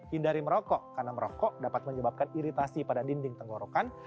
hindari merokok karena merokok dapat menyebabkan iritasi pada dinding tenggorokan